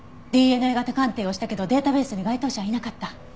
ＤＮＡ型鑑定をしたけどデータベースに該当者はいなかった。